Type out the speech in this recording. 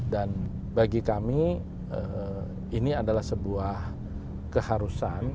dan bagi kami ini adalah sebuah keharusan